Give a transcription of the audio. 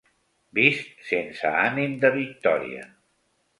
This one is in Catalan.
Vist sense ànim de victòria.